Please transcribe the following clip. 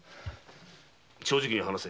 正直に話せ。